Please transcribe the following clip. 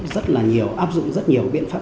rất là nhiều áp dụng rất nhiều biện pháp